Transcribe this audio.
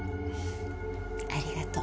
ありがとう。